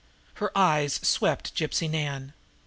Her eyes swept Gypsy Nan.